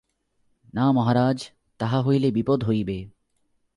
না মহারাজ, তাহা হইলে বিপদ হইবে।